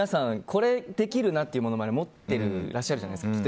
これできるなって、ものまねを持っていらっしゃるじゃないですか。